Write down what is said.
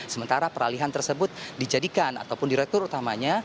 sementara peralihan tersebut dijadikan ataupun direktur utamanya